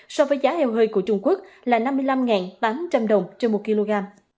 so với giá heo hơi của trung quốc là năm mươi năm tám trăm linh đồng trên một kg